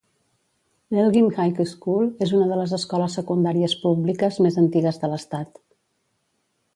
L'Elgin High School és una de les escoles secundàries públiques més antigues de l'estat.